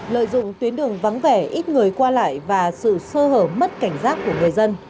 lợi dụng tuyến đường vắng vẻ ít người qua lại và sự sơ hở mất cảnh giác của người dân